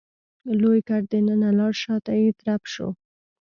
لوی ګټ دننه لاړ شاته يې ترپ شو.